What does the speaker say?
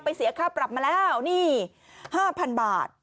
เสียค่าปรับมาแล้วนี่๕๐๐๐บาท